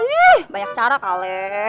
ih banyak cara kali